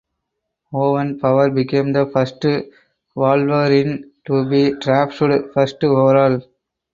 Owen Power became the first Wolverine to be drafted first overall.